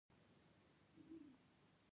د یوناني درملو په پلور کې خپلسري روانه ده